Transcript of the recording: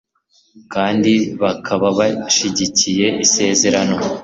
kandi bakaba bashyigikiye isezerano